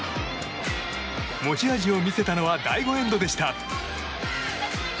持ち味を見せたのは第５エンドでした。